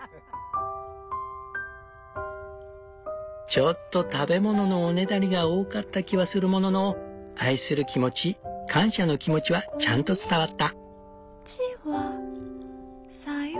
ちょっと食べ物のおねだりが多かった気はするものの愛する気持ち感謝の気持ちはちゃんと伝わった。